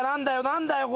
何だよ？